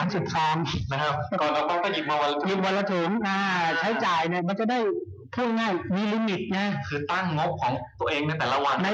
ฟื้นยนต์ค่ะคือตั้งงบของตัวเองใน